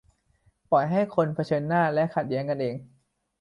ปล่อยให้คนเผชิญหน้าและขัดแย้งกันเอง